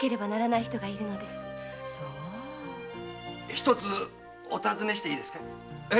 一つお尋ねしていいですか